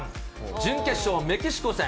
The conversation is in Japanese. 準決勝、メキシコ戦。